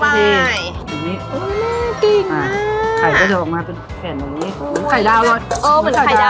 เป็นนี่อุ้ยมันติ่งจ้าไข่ก็จะลงมาเป็นแข่นแบบนี้